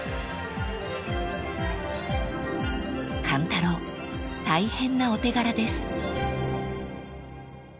［勘太郎大変なお手柄です］